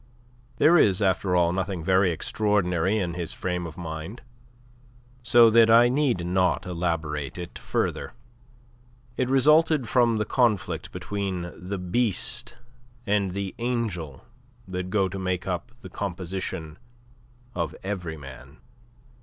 There is, after all, nothing very extraordinary in his frame of mind, so that I need not elaborate it further. It resulted from the conflict between the beast and the angel that go to make up the composition of every man.